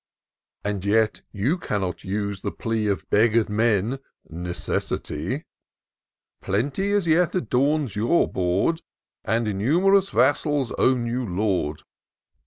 " As yet, you cannot use the plea Of beggar'd men — ^necessity ; Plenty as yet adorns your board, And num'rous vassals own you lord.